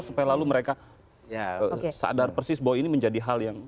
supaya lalu mereka sadar persis bahwa ini menjadi hal yang